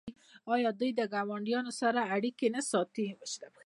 آیا دوی له ګاونډیانو سره اړیکې نه ساتي؟